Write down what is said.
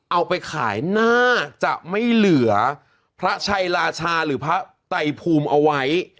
เอาไปขายน่าจะไม่เหลือพระชัยราชาหรือพระไตภูมิเอาไว้